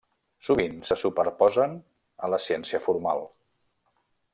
Sovint se superposen a la ciència formal.